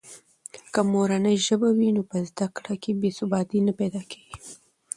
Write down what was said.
که مورنۍ ژبه وي نو په زده کړه کې بې ثباتي نه پیدا کېږي.